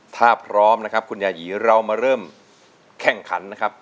ถ้าพร้อมนะครับคุณยายีเรามาเริ่มแข่งขันนะครับ